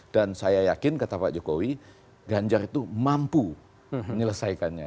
dan saya yakin kata pak jokowi ganjar itu mampu menyelesaikannya